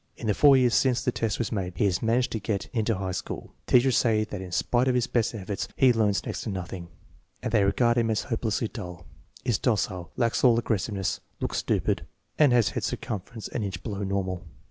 In the four years since the test was made he has managed to get into high school. Teachers say that in spite of his best efforts he learns next to nothing, and they regard him as hopelessly dull. Is docile, lacks all aggressiveness, looks stupid, and has head circum ference an inch below normal.